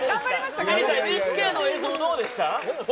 ＮＨＫの映像どうでした？